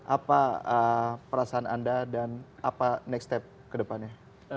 apa perasaan anda dan apa next step ke depannya